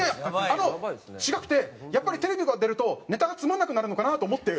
あの違くてやっぱりテレビとか出るとネタがつまらなくなるのかなと思って」。